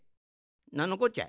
なんのこっちゃ？